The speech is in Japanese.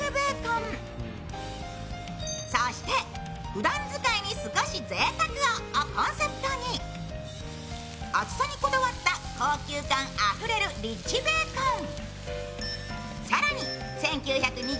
ふだん使いに少しぜいたくををコンセプトに厚さにこだわった高級感あふれるリッチベーコン。